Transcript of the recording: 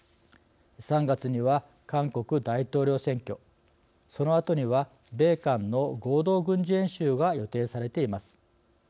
３月には、韓国大統領選挙そのあとには米韓の合同軍事演習が予定されています。